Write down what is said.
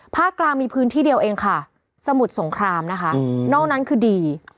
กลางมีพื้นที่เดียวเองค่ะสมุทรสงครามนะคะนอกนั้นคือดี